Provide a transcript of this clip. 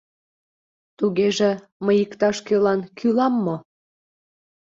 Тугеже, мый иктаж-кӧлан кӱлам мо?..